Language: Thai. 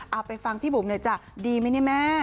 เอาไปฟังพี่บุ๋มหน่อยจ้ะดีไหมเนี่ยแม่